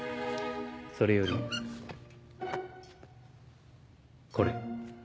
それよりこれ。